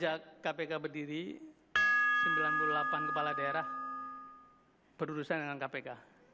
sejak kpk berdiri sembilan puluh delapan kepala daerah berurusan dengan kpk